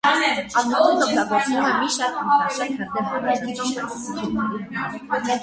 Անվանումն օգտագործվում է մի շարք ինքնաշեն հրդեհ առաջացնող պայթուցիկ նյութերի համար։